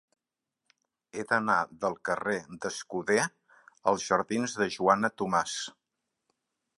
He d'anar del carrer d'Escuder als jardins de Joana Tomàs.